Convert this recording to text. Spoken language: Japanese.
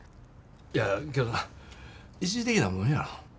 やけど一時的なもんやろ。